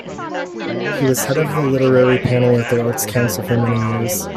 He was head of the literary panel of the Arts Council for many years.